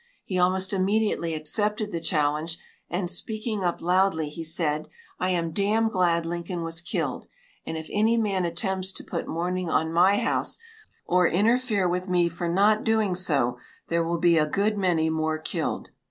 He almost immediately accepted the challenge, and speaking up loudly, he said: "I am damned glad Lincoln was killed, and if any man attempts to put mourning on my house, or interfere with me for not doing so, there will be a good many more killed."